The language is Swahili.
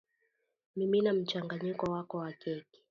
mimina mchanganyiko wako wa keki